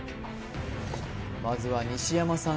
まずは西山さん